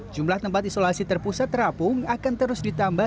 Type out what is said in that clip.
jumlah tempat isolasi terpusat terapung akan terus ditambah